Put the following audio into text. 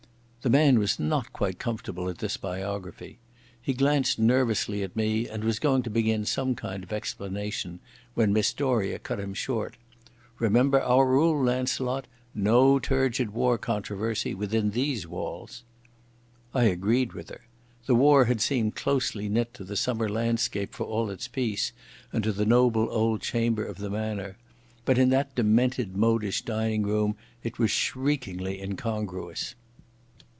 The man was not quite comfortable at this biography. He glanced nervously at me and was going to begin some kind of explanation, when Miss Doria cut him short. "Remember our rule, Launcelot. No turgid war controversy within these walls." I agreed with her. The war had seemed closely knit to the summer landscape for all its peace, and to the noble old chambers of the Manor. But in that demented modish dining room it was shriekingly incongruous.